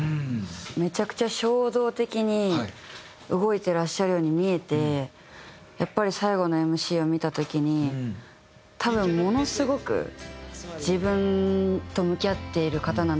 めちゃくちゃ衝動的に動いてらっしゃるように見えてやっぱり最後のＭＣを見た時に多分ものすごく自分と向き合っている方なんだろうなと思いました。